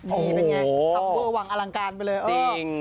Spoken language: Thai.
นี่เป็นไงทำเวอร์วังอลังการไปเลยเออ